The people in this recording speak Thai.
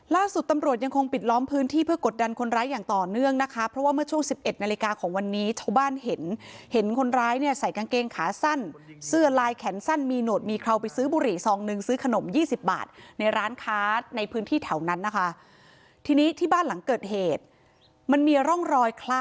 ล่าสุดตำรวจยังคงปิดล้อมพื้นที่เพื่อกดดันคนร้ายอย่างต่อเนื่องนะคะเพราะว่าเมื่อช่วง๑๑นาฬิกาของวันนี้ชาวบ้านเห็นเห็นคนร้ายเนี่ยใส่กางเกงขาสั้นเสื้อลายแขนสั้นมีหนวดมีเคราวไปซื้อบุหรีซองหนึ่งซื้อขนม๒๐บาทในร้านค้าในพื้นที่แถวนั้นนะคะทีนี้ที่บ้านหลังเกิดเหตุมันมีร่องรอยคล